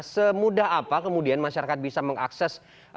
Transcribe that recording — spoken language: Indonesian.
semudah apa kemudian masyarakat bisa mengakses